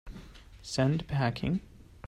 Send packing